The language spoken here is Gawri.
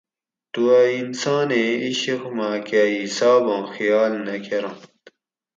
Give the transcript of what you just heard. تُو اۤ انسانیں عِشق ماۤکہ حِساباں خیال نہ کرنت